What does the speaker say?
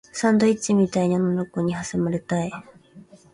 サンドイッチみたいに女の子に挟まれたい